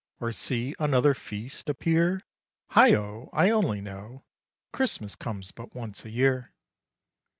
Or see another feast appear? Heigho! I only know Christmas comes but once a year!